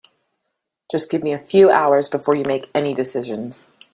Just give me a few hours before you make any decisions.